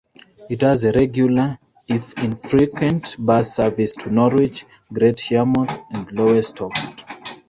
It has a regular, if infrequent bus service to Norwich, Great Yarmouth and Lowestoft.